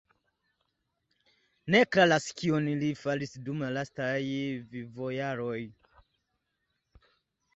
Ne klaras kion li faris dum la lastaj vivojaroj.